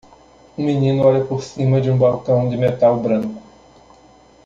Um menino olha por cima de um balcão de metal branco.